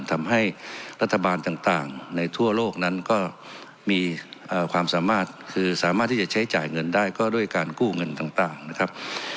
ทำให้รัฐบาลต่างในทั่วโลกนั้นก็มีความสามารถคือสามารถที่จะใช้จ่ายเงินได้ก็ด้วยการกู้เงินต่างนะครับ